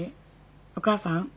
お母さん？